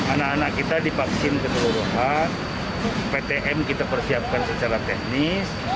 anak anak kita divaksin ke seluruhan ptm kita persiapkan secara teknis